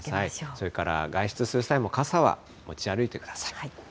それから外出する際も、傘は持ち歩いてください。